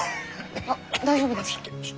あっ大丈夫ですか？